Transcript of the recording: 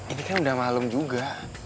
ini kan udah malem juga